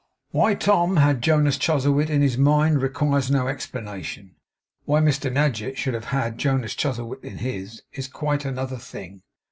Why Tom had Jonas Chuzzlewit in his mind requires no explanation. Why Mr Nadgett should have had Jonas Chuzzlewit in his, is quite another thing.